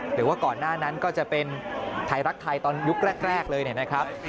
หรือว่าก่อนหน้านั้นก็จะเป็นไทยรักไทยตอนยุคแรกเลยนะครับ